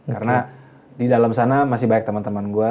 karena di dalam sana masih banyak teman teman gue